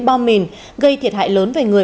bom mìn gây thiệt hại lớn về người